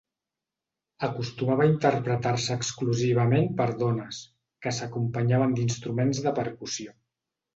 Acostumava a interpretar-se exclusivament per dones, que s'acompanyaven d'instruments de percussió.